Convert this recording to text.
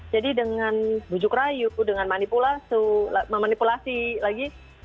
jadi dengan bujuk rayu dengan manipulasi memanipulasi lagi